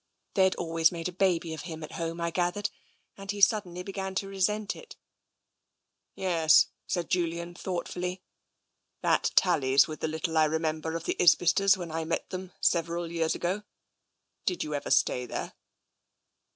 They'd always made a baby of him at home, I gathered, and he had suddenly begun to resent it.'' " Yes," said Julian thoughtfully, " that tallies with the little I remember of the Isbisters, when I met them several years ago. Did you ever stay there